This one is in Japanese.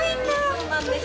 そうなんです。